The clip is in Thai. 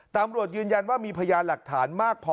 ตำรวจยืนยันว่ามีพยานหลักฐานมากพอ